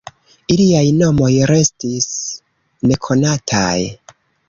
Iliaj nomoj restis nekonataj.